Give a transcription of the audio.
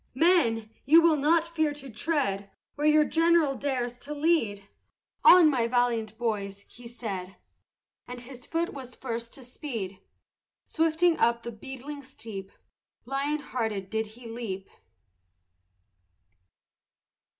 "Men, you will not fear to tread Where your general dares to lead! On, my valiant boys!" he said, And his foot was first to speed; Swiftly up the beetling steep, Lion hearted, did he leap.